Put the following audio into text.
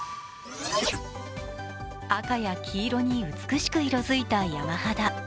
赤や黄色に美しく色づいた山肌。